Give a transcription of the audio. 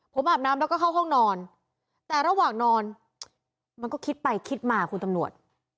ผมอาบน้ำแล้วก็เข้าห้องนอนแต่ระหว่างนอนมันก็คิดไปคิดมาคุณตำรวจ